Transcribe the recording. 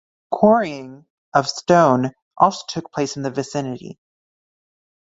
Quarrying of stone also took place in the vicinity.